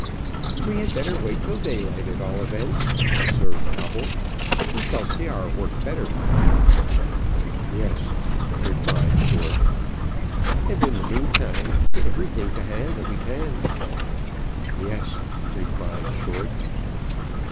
"We had better wait till daylight, at all events," observed Coble, "we shall see our work better." "Yes," replied Short. "And, in the meantime, get everything to hand that we can." "Yes," replied Short.